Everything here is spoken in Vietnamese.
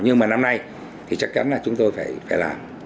nhưng mà năm nay thì chắc chắn là chúng tôi phải làm